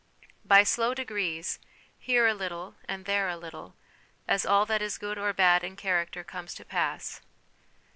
By slow degrees, here a little and there a little, as all that is good or bad in character comes to pass.